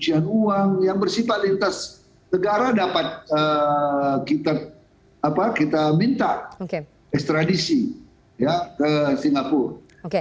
pencucian uang yang bersifat lintas negara dapat kita minta ekstradisi ke singapura